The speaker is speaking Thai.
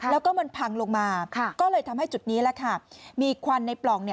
แล้วก็มันพังลงมาก็เลยทำให้จุดนี้แหละค่ะมีควันในปล่อง